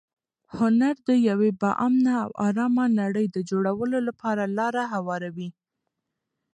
هنر د یوې با امنه او ارامه نړۍ د جوړولو لپاره لاره هواروي.